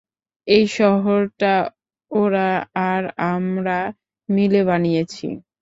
এই শহরটা ওরা আর আমরা মিলে বানিয়েছি!